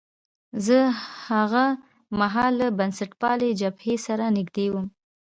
زه هاغه مهال له بنسټپالنې جبهې سره نژدې وم.